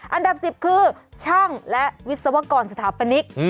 อันดับ๑๐คือช่างและวิศวกรสถาปนิก